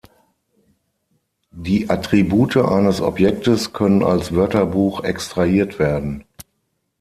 Die Attribute eines Objektes können als Wörterbuch extrahiert werden.